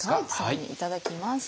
いただきます。